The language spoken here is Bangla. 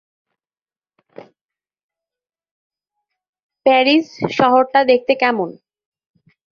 প্যারিস শহরটা দেখতে কেমন?